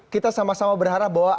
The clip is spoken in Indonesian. kita sama sama berharap bahwa